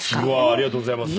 ありがとうございます。